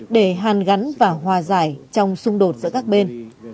để hàn gắn và hòa giải trong xung đột giữa các bên